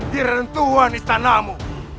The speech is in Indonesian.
di rentuhan istanamu